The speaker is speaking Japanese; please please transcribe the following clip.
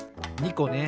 ２こね。